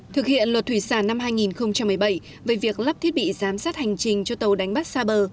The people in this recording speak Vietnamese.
thực hiện luật thủy sản năm hai nghìn một mươi bảy về việc lắp thiết bị giám sát hành trình cho tàu đánh bắt xa bờ